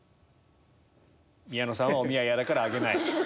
宮野さんはおみや嫌だから挙げない。